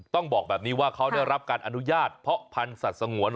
ต้องบอกแบบนี้ว่าเขาได้รับการอนุญาตเพาะพันธุ์สัตว์สงวน